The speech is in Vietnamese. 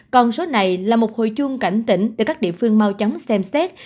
còn số này là một hồi chuông cảnh tỉnh để các địa phương mau chóng xem xét